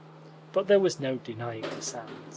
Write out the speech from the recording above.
But there was no denying the sand.